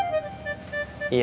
ceng ini aku ganti nama